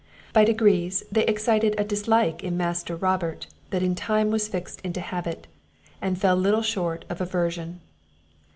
By degrees they excited a dislike in Master Robert, that in time was fixed into habit, and fell little short of aversion.